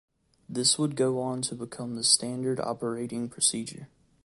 This would go on to become the standard operating procedure.